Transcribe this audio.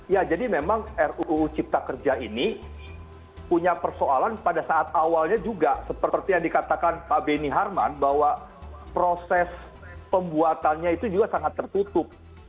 ya jadi memang ruu cipta kerja ini punya persoalan pada saat awalnya juga seperti yang dikatakan pak beni harman bahwa proses pembuatannya itu juga sangat tertutup